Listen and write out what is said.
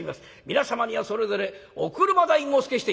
皆様にはそれぞれお車代もおつけして」。